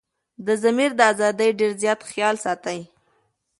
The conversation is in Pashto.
دضمير دازادي ډير زيات خيال ساتي